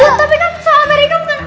iya tapi kan salah beri ikan kan